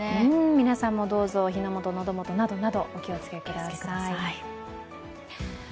皆さんもどうぞ火の元、喉元などなど、お気をつけください。